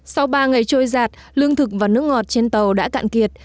sau ba ngày trôi giạt lương thực và nước ngọt trên tàu đã cạn kiệt